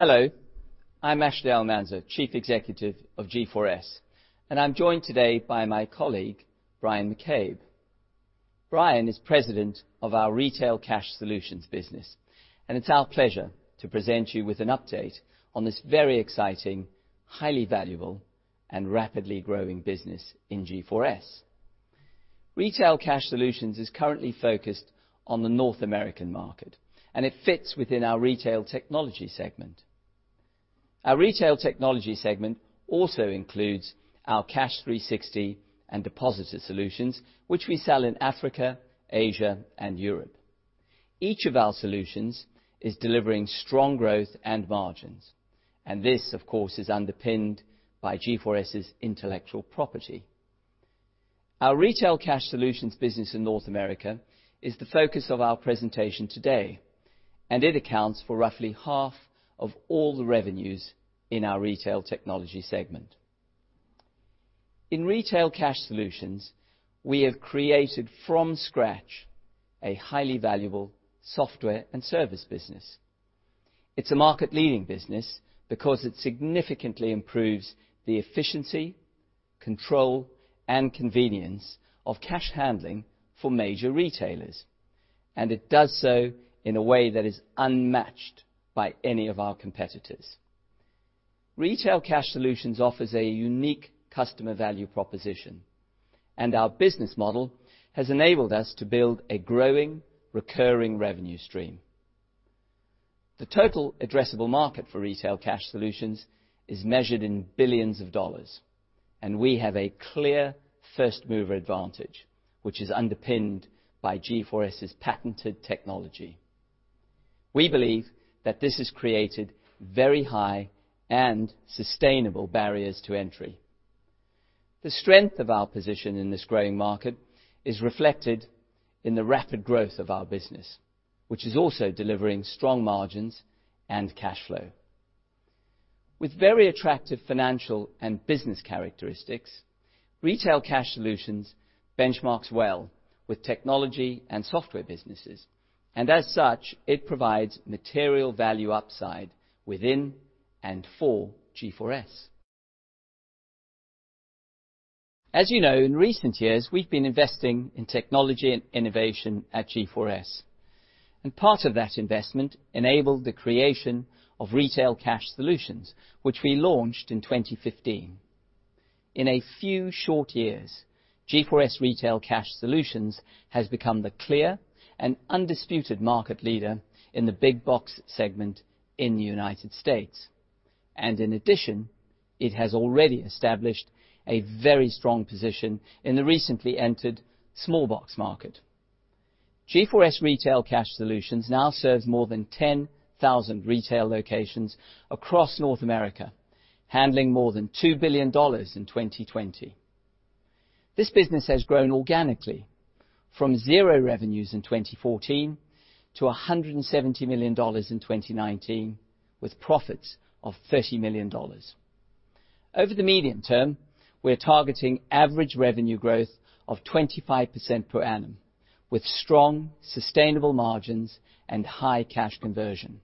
Hello. I'm Ashley Almanza, Chief Executive of G4S, and I'm joined today by my colleague, Brian McCabe. Brian is President of our Retail Cash Solutions business, and it's our pleasure to present you with an update on this very exciting, highly valuable, and rapidly growing business in G4S. Retail Cash Solutions is currently focused on the North American market, and it fits within our retail technology segment. Our retail technology segment also includes our Cash360 and Deposita solutions, which we sell in Africa, Asia, and Europe. Each of our solutions is delivering strong growth and margins, and this, of course, is underpinned by G4S's intellectual property. Our Retail Cash Solutions business in North America is the focus of our presentation today, and it accounts for roughly half of all the revenues in our retail technology segment. In Retail Cash Solutions, we have created from scratch a highly valuable software and service business. It's a market-leading business because it significantly improves the efficiency, control, and convenience of cash handling for major retailers, and it does so in a way that is unmatched by any of our competitors. Retail Cash Solutions offers a unique customer value proposition, and our business model has enabled us to build a growing, recurring revenue stream. The total addressable market for Retail Cash Solutions is measured in billions of dollars, and we have a clear first-mover advantage, which is underpinned by G4S's patented technology. We believe that this has created very high and sustainable barriers to entry. The strength of our position in this growing market is reflected in the rapid growth of our business, which is also delivering strong margins and cash flow. With very attractive financial and business characteristics, Retail Cash Solutions benchmarks well with technology and software businesses, and as such, it provides material value upside within and for G4S. As you know, in recent years, we've been investing in technology and innovation at G4S, and part of that investment enabled the creation of Retail Cash Solutions, which we launched in 2015. In a few short years, G4S Retail Cash Solutions has become the clear and undisputed market leader in the big box segment in the United States, and in addition, it has already established a very strong position in the recently entered small box market. G4S Retail Cash Solutions now serves more than 10,000 retail locations across North America, handling more than $2 billion in 2020. This business has grown organically, from zero revenues in 2014 to $170 million in 2019, with profits of $30 million. Over the medium term, we're targeting average revenue growth of 25% per annum, with strong, sustainable margins and high cash conversion.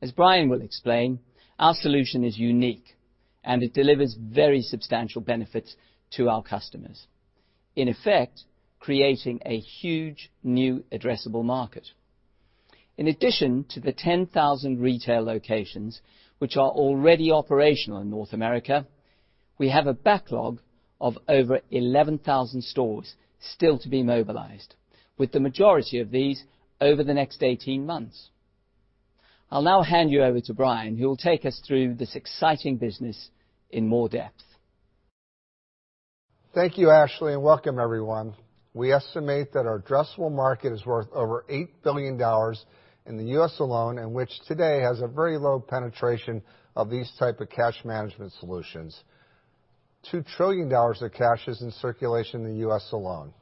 As Brian will explain, our solution is unique, and it delivers very substantial benefits to our customers, in effect creating a huge new addressable market. In addition to the 10,000 retail locations, which are already operational in North America, we have a backlog of over 11,000 stores still to be mobilized, with the majority of these over the next 18 months. I'll now hand you over to Brian, who will take us through this exciting business in more depth. Thank you, Ashley, and welcome, everyone. We estimate that our addressable market is worth over $8 billion in the US alone, and which today has a very low penetration of these types of cash management solutions. $2 trillion of cash is in circulation in the US alone.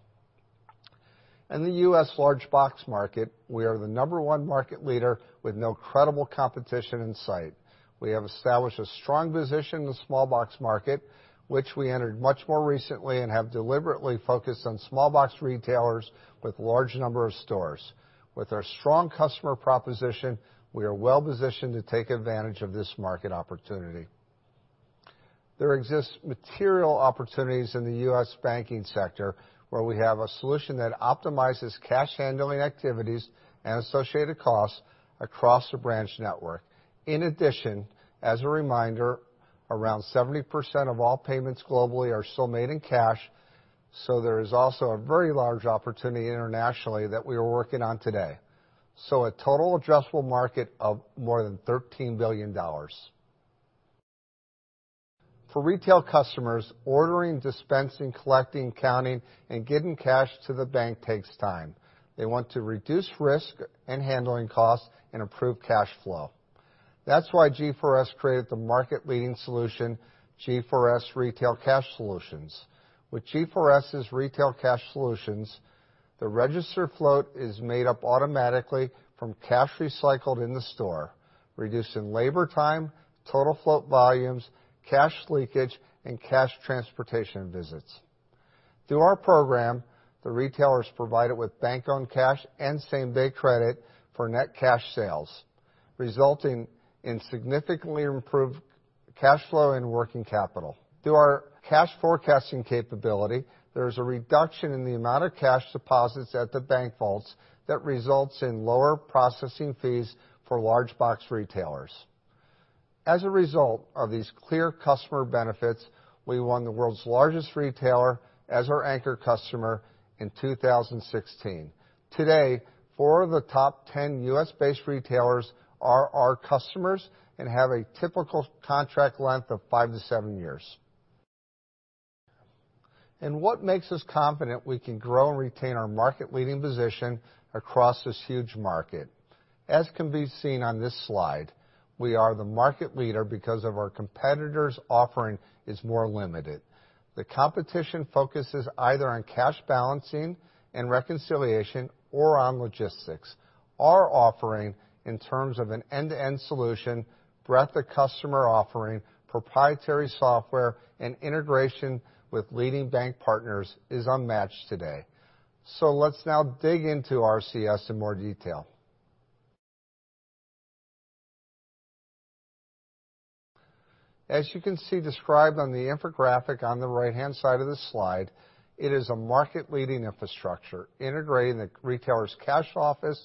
In the US big box market, we are the number one market leader with no credible competition in sight. We have established a strong position in the small box market, which we entered much more recently and have deliberately focused on small box retailers with a large number of stores. With our strong customer proposition, we are well positioned to take advantage of this market opportunity. There exist material opportunities in the US banking sector, where we have a solution that optimizes cash handling activities and associated costs across the branch network. In addition, as a reminder, around 70% of all payments globally are still made in cash, so there is also a very large opportunity internationally that we are working on today. So, a total addressable market of more than $13 billion. For retail customers, ordering, dispensing, collecting, counting, and getting cash to the bank takes time. They want to reduce risk and handling costs and improve cash flow. That's why G4S created the market-leading solution, G4S Retail Cash Solutions. With G4S's Retail Cash Solutions, the registered float is made up automatically from cash recycled in the store, reducing labor time, total float volumes, cash leakage, and cash transportation visits. Through our program, the retailers are provided with bank-owned cash and same-day credit for net cash sales, resulting in significantly improved cash flow and working capital. Through our cash forecasting capability, there is a reduction in the amount of cash deposits at the bank vaults that results in lower processing fees for big box retailers. As a result of these clear customer benefits, we won the world's largest retailer as our anchor customer in 2016. Today, four of the top 10 US-based retailers are our customers and have a typical contract length of five to seven years. And what makes us confident we can grow and retain our market-leading position across this huge market? As can be seen on this slide, we are the market leader because our competitors' offering is more limited. The competition focuses either on cash balancing and reconciliation or on logistics. Our offering, in terms of an end-to-end solution, breadth of customer offering, proprietary software, and integration with leading bank partners is unmatched today. Let's now dig into RCS in more detail. As you can see described on the infographic on the right-hand side of the slide, it is a market-leading infrastructure integrating the retailer's cash office,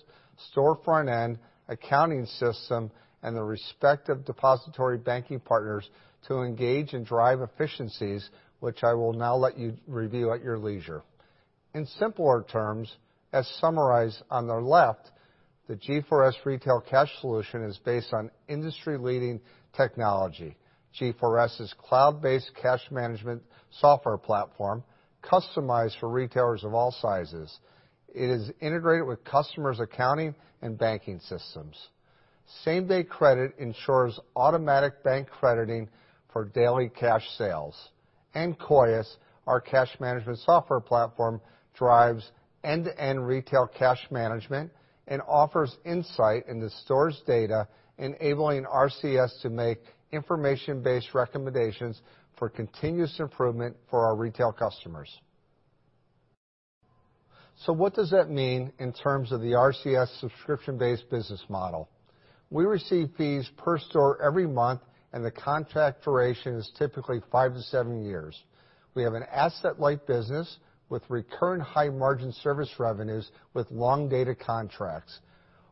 store front end, accounting system, and the respective depository banking partners to engage and drive efficiencies, which I will now let you review at your leisure. In simpler terms, as summarized on the left, the G4S Retail Cash Solution is based on industry-leading technology. G4S is a cloud-based cash management software platform customized for retailers of all sizes. It is integrated with customers' accounting and banking systems. Same-day credit ensures automatic bank crediting for daily cash sales. Koleos, our cash management software platform, drives end-to-end retail cash management and offers insight into stores' data, enabling RCS to make information-based recommendations for continuous improvement for our retail customers. What does that mean in terms of the RCS subscription-based business model? We receive fees per store every month, and the contract duration is typically five to seven years. We have an asset-light business with recurring high-margin service revenues with long-dated contracts.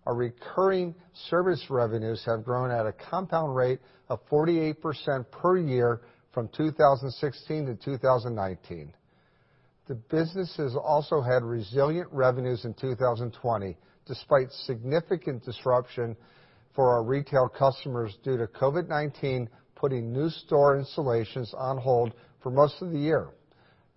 Our recurring service revenues have grown at a compound rate of 48% per year from 2016 to 2019. The business has also had resilient revenues in 2020, despite significant disruption for our retail customers due to COVID-19 putting new store installations on hold for most of the year.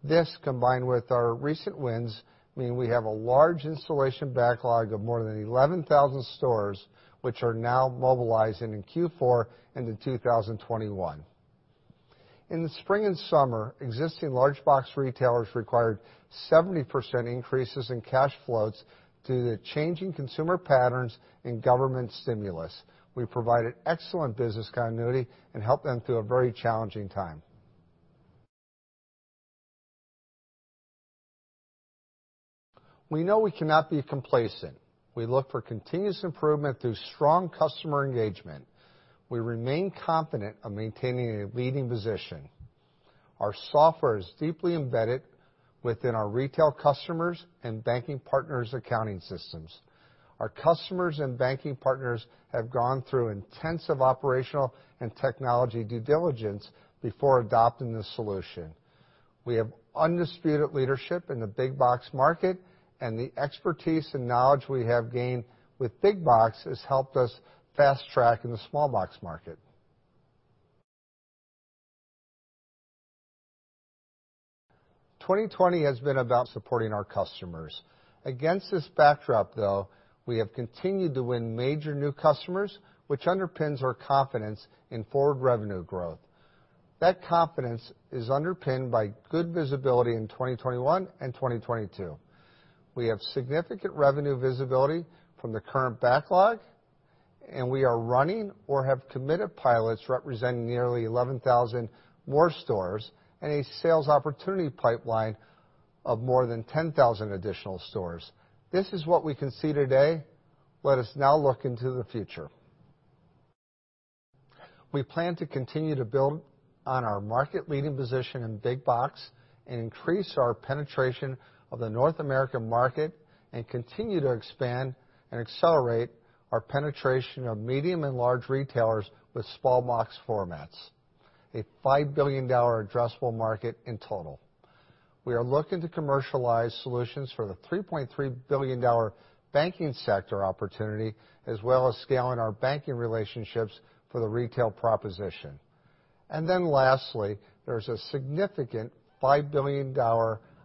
This, combined with our recent wins, means we have a large installation backlog of more than 11,000 stores, which are now mobilizing in Q4 into 2021. In the spring and summer, existing big box retailers required 70% increases in cash floats due to changing consumer patterns and government stimulus. We provided excellent business continuity and helped them through a very challenging time. We know we cannot be complacent. We look for continuous improvement through strong customer engagement. We remain confident in maintaining a leading position. Our software is deeply embedded within our retail customers' and banking partners' accounting systems. Our customers and banking partners have gone through intensive operational and technology due diligence before adopting the solution. We have undisputed leadership in the big box market, and the expertise and knowledge we have gained with big box has helped us fast-track in the small box market. 2020 has been about supporting our customers. Against this backdrop, though, we have continued to win major new customers, which underpins our confidence in forward revenue growth. That confidence is underpinned by good visibility in 2021 and 2022. We have significant revenue visibility from the current backlog, and we are running or have committed pilots representing nearly 11,000 more stores and a sales opportunity pipeline of more than 10,000 additional stores. This is what we can see today. Let us now look into the future. We plan to continue to build on our market-leading position in big box and increase our penetration of the North American market and continue to expand and accelerate our penetration of medium and large retailers with small box formats, a $5 billion addressable market in total. We are looking to commercialize solutions for the $3.3 billion banking sector opportunity, as well as scaling our banking relationships for the retail proposition. And then lastly, there is a significant $5 billion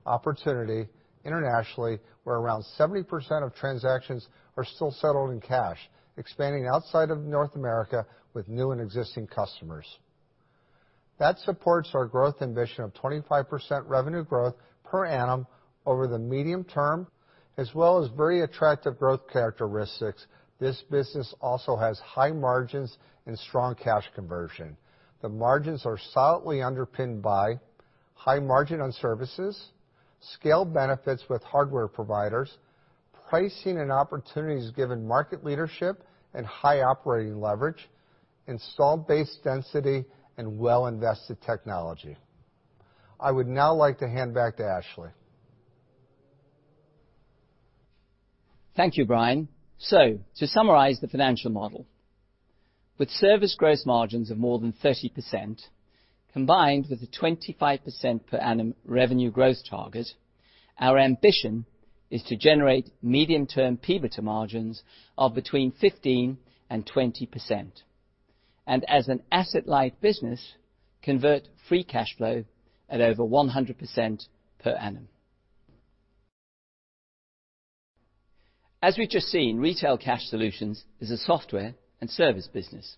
opportunity internationally, where around 70% of transactions are still settled in cash, expanding outside of North America with new and existing customers. That supports our growth ambition of 25% revenue growth per annum over the medium term. As well as very attractive growth characteristics, this business also has high margins and strong cash conversion. The margins are solidly underpinned by high margin on services, scaled benefits with hardware providers, pricing and opportunities given market leadership and high operating leverage, installed base density, and well-invested technology. I would now like to hand back to Ashley. Thank you, Brian. So, to summarize the financial model, with service gross margins of more than 30% combined with the 25% per annum revenue growth target, our ambition is to generate medium-term PBITA margins of between 15% and 20%, and as an asset-light business, convert free cash flow at over 100% per annum. As we've just seen, Retail Cash Solutions is a software and service business.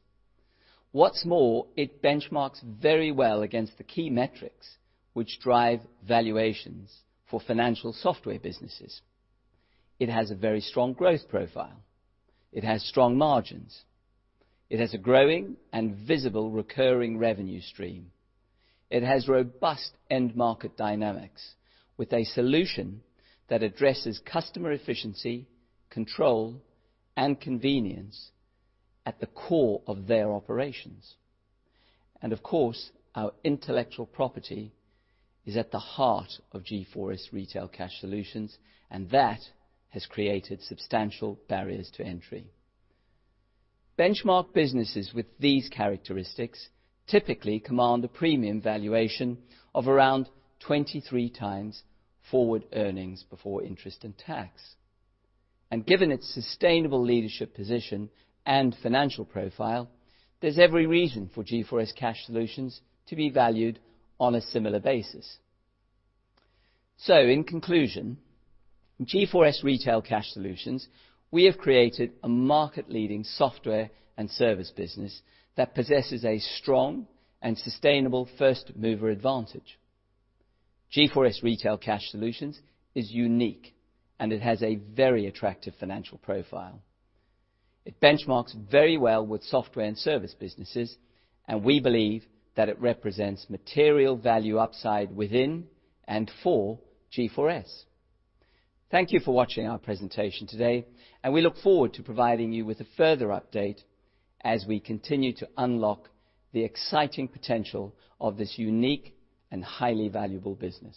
What's more, it benchmarks very well against the key metrics which drive valuations for financial software businesses. It has a very strong growth profile. It has strong margins. It has a growing and visible recurring revenue stream. It has robust end-market dynamics with a solution that addresses customer efficiency, control, and convenience at the core of their operations. And of course, our intellectual property is at the heart of G4S Retail Cash Solutions, and that has created substantial barriers to entry. Benchmark businesses with these characteristics typically command a premium valuation of around 23 times forward earnings before interest and tax, and given its sustainable leadership position and financial profile, there's every reason for G4S Cash Solutions to be valued on a similar basis, so in conclusion, G4S Retail Cash Solutions, we have created a market-leading software and service business that possesses a strong and sustainable first-mover advantage. G4S Retail Cash Solutions is unique, and it has a very attractive financial profile. It benchmarks very well with software and service businesses, and we believe that it represents material value upside within and for G4S. Thank you for watching our presentation today, and we look forward to providing you with a further update as we continue to unlock the exciting potential of this unique and highly valuable business.